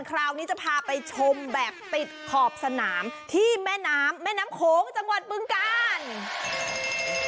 คราวนี้จะพาไปชมแบบติดขอบสนามที่แม่น้ำแม่น้ำโขงจังหวัดบึงกาล